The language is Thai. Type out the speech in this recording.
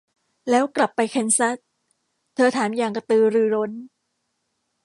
แล้วกลับไปแคนซัส ? เธอถามอย่างกระตือรือร้น